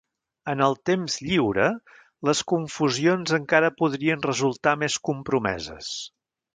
En el temps lliure, les confusions encara podrien resultar més compromeses.